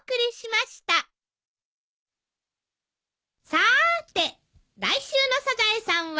さーて来週の『サザエさん』は？